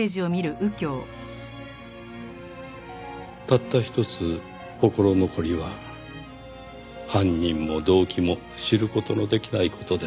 「たったひとつ心残りは犯人も動機も知る事のできない事です」